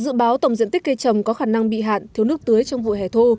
dự báo tổng diện tích cây trầm có khả năng bị hạn thiếu nước tưới trong vụ hẻ thô